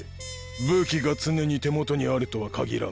武器が常に手元にあるとは限らん。